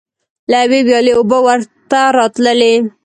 له یوې ویالې اوبه ورته راتللې.